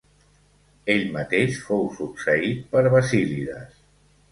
Ell mateix fou succeït per Basílides.